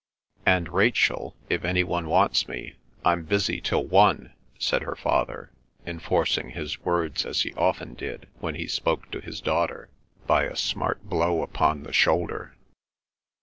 —"And, Rachel, if any one wants me, I'm busy till one," said her father, enforcing his words as he often did, when he spoke to his daughter, by a smart blow upon the shoulder.